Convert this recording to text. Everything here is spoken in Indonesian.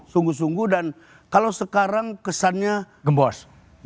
sungguh sungguh dan kalau sekarang kesannya gembos